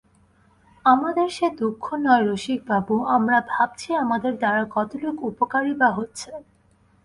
আমাদের সে দুঃখ নয় রসিকবাবু, আমরা ভাবছি আমাদের দ্বারা কতটুকু উপকারই বা হচ্ছে।